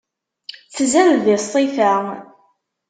Tzad di ṣṣifa.